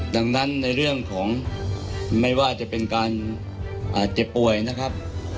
ดังนั้นในเรื่องของไม่ว่าจะเป็นการเจ็บป่วยนะครับ